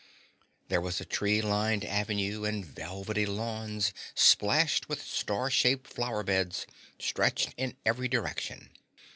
There was a tree lined avenue and velvety lawns splashed with star shaped flower beds stretched in every direction.